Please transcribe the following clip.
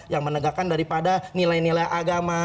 yang menegakkan daripada nilai nilai agama